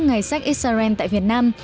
ngày sách israel tại việt nam